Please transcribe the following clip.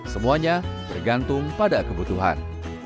semuanya bergantung pada kebutuhan